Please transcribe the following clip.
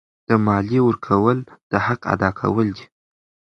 د مالیې ورکول د حق ادا کول دي.